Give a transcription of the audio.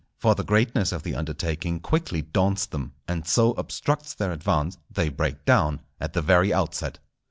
For the greatness of the undertaking quickly daunts them, and so obstructs their advance they break down at the very outset.